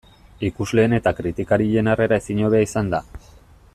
Ikusleen eta kritikarien harrera ezin hobea izan da.